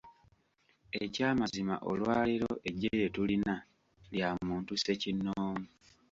Eky'amazima olwaleero eggye lye tulina lya muntu ssekinnoomu.